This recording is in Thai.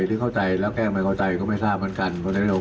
เลือกแล้วแก้แม้เข้าใจก็ไม่ทราบเหมือนกัน